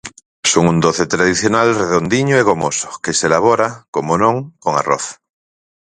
Son un doce tradicional redondiño e gomoso que se elabora, como non, con arroz.